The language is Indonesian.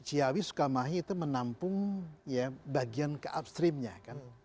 ciawi sukamahi itu menampung bagian ke upstreamnya kan